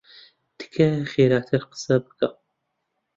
تکایە خێراتر قسە بکە.